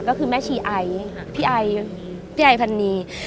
ก็คือแม่ชีไอพี่ไอพันนี